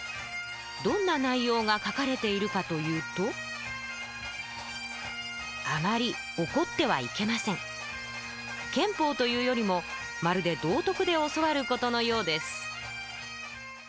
どんな内容が書かれているかというと憲法というよりもまるで道徳で教わることのようです